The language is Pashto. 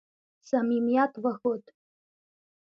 صمیمیت وښود.